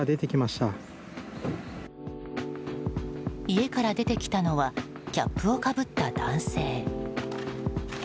家から出てきたのはキャップをかぶった男性。